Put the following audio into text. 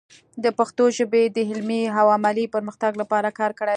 د پښتو ژبې د علمي او عملي پرمختګ لپاره کار کړی دی.